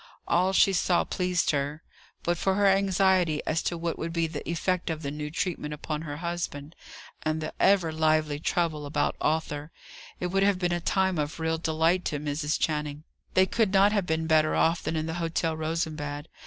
All she saw pleased her. But for her anxiety as to what would be the effect of the new treatment upon her husband, and the ever lively trouble about Arthur, it would have been a time of real delight to Mrs. Channing. They could not have been better off than in the Hotel Rosenbad.